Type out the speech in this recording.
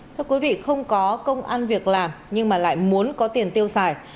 thưa quý vị không có công ăn việc làm nhưng mà lại muốn có tiền tiêu xài